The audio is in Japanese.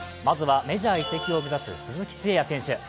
まずはメジャー移籍を目指す鈴木誠也選手。